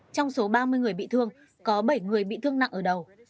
trong số ba mươi người bị thương có bảy người bị thương nặng ở đầu